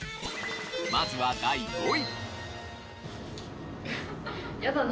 まずは第５位。